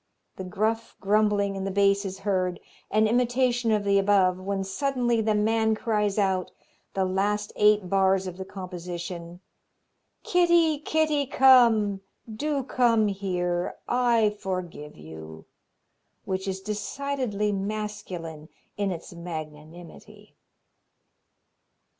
The gruff grumbling in the bass is heard, an imitation of the above, when suddenly the man cries out, the last eight bars of the composition: "Kitty, Kitty come do come here, I forgive you," which is decidedly masculine in its magnanimity.